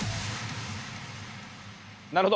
なるほど。